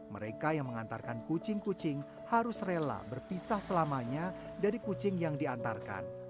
mereka yang mengantarkan kucing kucing harus rela berpisah selamanya dari kucing yang diantarkan